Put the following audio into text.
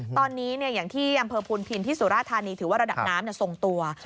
ตอนนี้อย่างที่อำเภอพูนพินที่สุราธานีถือว่าระดับน้ำทรงตัว